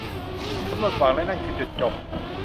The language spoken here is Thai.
ฉันหมดหวังและนั่นคือจุดจบ